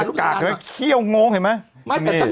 นั่นลูกกากมาเฮี่ยวโง่เห็นไหม